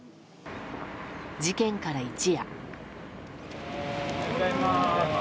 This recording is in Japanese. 事件から一夜。